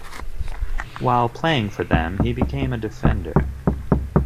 While playing for them, he became a defender.